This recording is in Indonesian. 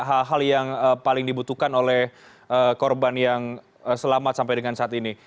hal hal yang paling dibutuhkan oleh korban yang selamat sampai dengan saat ini